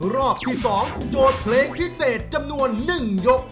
รอบที่๒โจทย์เพลงพิเศษจำนวน๑ยก